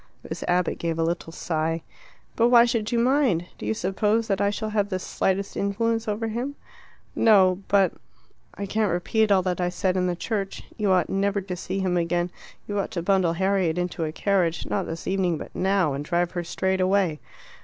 Miss Abbott gave a little sigh. "But why should you mind? Do you suppose that I shall have the slightest influence over him?" "No. But I can't repeat all that I said in the church. You ought never to see him again. You ought to bundle Harriet into a carriage, not this evening, but now, and drive her straight away."